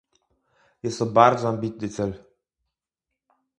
Jest to bardzo ambitny cel